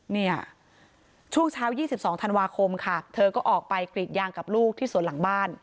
เนี่ยช่วงเช้า๒๒ธันวาคมค่ะเธอก็ออกไปกรีดยางกับลูกที่สวนหลังบ้าน